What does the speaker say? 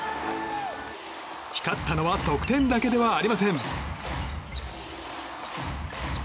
光ったのは得点だけではありません。